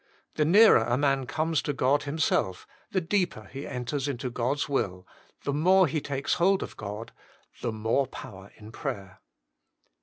The nearer a man comes to God Himself, the deeper he enters into God s will ; the more he takes hold of God, the more power in prayer.